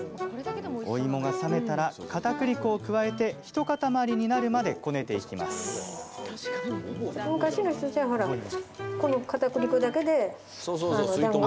おいもが冷めたらかたくり粉を加えて一塊になるまでこねていきます。